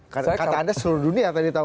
karena kata anda seluruh dunia tadi tahu